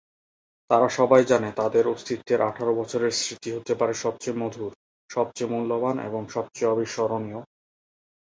তারা সবাই জানে, তাদের অস্তিত্বের আঠারো বছরের স্মৃতি হতে পারে সবচেয়ে মধুর, সবচেয়ে মূল্যবান এবং সবচেয়ে অবিস্মরণীয়।